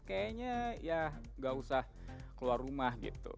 kayaknya ya nggak usah keluar rumah gitu